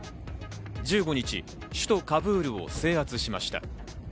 １５日、首都カブールを制圧しました。